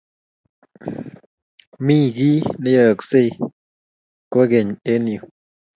mi kiy neyooksei kwekeny eng yu